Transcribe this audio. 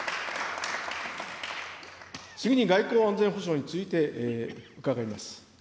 次に外交・安全保障について伺います。